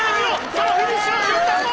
そのフィニッシュの瞬間を！